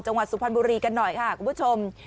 สุพรรณบุรีกันหน่อยค่ะคุณผู้ชม